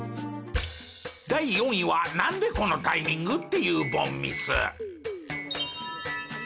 第４位はなんでこのタイミング？っていう凡ミス。